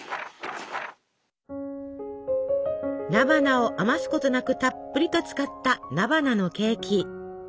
菜花を余すことなくたっぷりと使った菜花のケーキ。